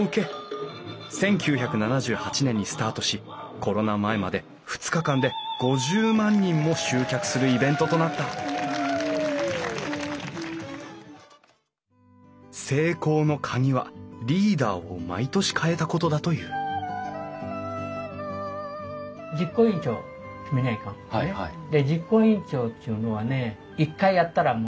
１９７８年にスタートしコロナ前まで２日間で５０万人も集客するイベントとなった成功のカギはリーダーを毎年変えたことだという実行委員長を決めにゃいかん。